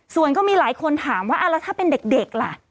ส่วนก็มีหลายคนถามว่าแล้วถ้าเป็นเด็กล่ะ